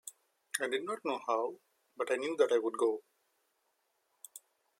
I did not know how, but I knew that I would go.